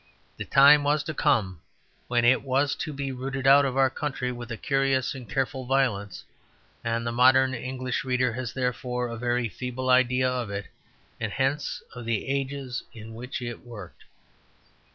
The time was to come when it was to be rooted out of our country with a curious and careful violence; and the modern English reader has therefore a very feeble idea of it and hence of the ages in which it worked.